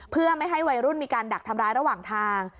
เพื่อไม่ให้วัยรุ่นมีการดักทำร้ายระหว่างทาง